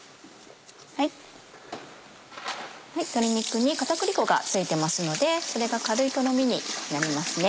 鶏肉に片栗粉がついてますのでそれが軽いとろみになります。